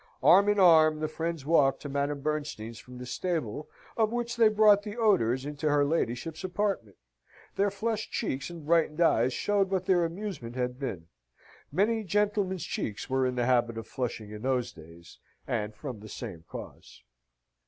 Arm in arm the friends walked to Madame Bernstein's from the stable, of which they brought the odours into her ladyship's apartment. Their flushed cheeks and brightened eyes showed what their amusement had been. Many gentlemen's cheeks were in the habit of flushing in those days, and from the same cause.